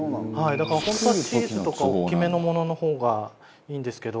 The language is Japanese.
だから本当はチーズとか大きめのものの方がいいんですけど。